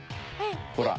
ほら。